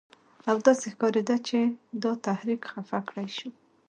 او داسې فکر کېده چې دا تحریک خفه کړی شو.